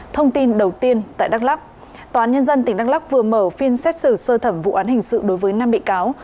thông tin đầu tiên tại đắk lắk tòa án nhân dân tỉnh đắk lắc vừa mở phiên xét xử sơ thẩm vụ án hình sự đối với năm bị cáo